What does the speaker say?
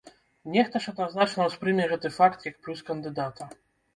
Нехта ж адназначна ўспрыме гэты факт як плюс кандыдата!